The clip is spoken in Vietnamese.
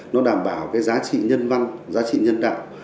nó đảm bảo cái giá trị nhân văn giá trị nhân đạo